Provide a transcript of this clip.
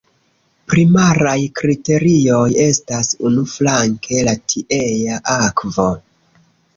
Primaraj kriterioj estas unuflanke la tiea akvo...